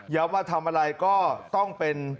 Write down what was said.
ว่าทำอะไรก็ต้องเป็น